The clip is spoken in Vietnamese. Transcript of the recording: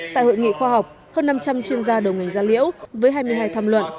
tại hội nghị khoa học hơn năm trăm linh chuyên gia đồng hành da liễu với hai mươi hai tham luận